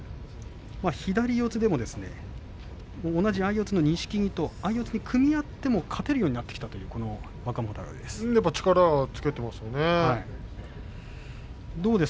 左四つでも同じ相四つの錦木なんですが相四つで組み合っても勝てるようになってきたという若元春です。